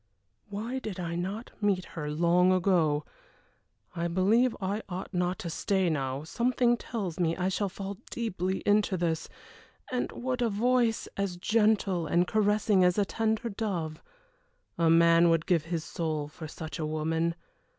Why did I not meet her long ago? I believe I ought not to stay now something tells me I shall fall deeply into this. And what a voice! as gentle and caressing as a tender dove. A man would give his soul for such a woman.